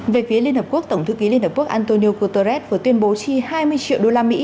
về phía liên hợp quốc tổng thư ký liên hợp quốc antonio guterres vừa tuyên bố chi hai mươi triệu đô la mỹ